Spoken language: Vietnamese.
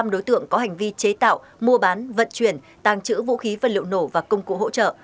một trăm bảy mươi năm đối tượng có hành vi chế tạo mua bán vận chuyển tàng trữ vũ khí vật liệu nổ và công cụ hỗ trợ